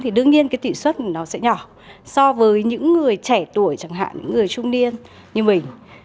thì đương nhiên cái tỷ suất nó sẽ nhỏ so với những người trẻ tuổi chẳng hạn những người trung niên như mình